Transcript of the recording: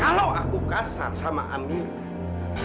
kalau aku kasar sama ambien